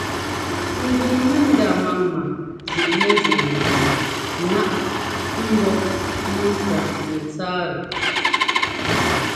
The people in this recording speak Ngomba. Ŋgʉŋ mɛndá máma zʉꞌnɛzíꞌŋwaꞌnɛ náꞌ ḿbɔ́ mɛŋká nɛtsáatɛ.